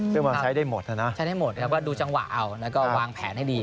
ซึ่งมันใช้ได้หมดนะใช้ได้หมดครับก็ดูจังหวะเอาแล้วก็วางแผนให้ดี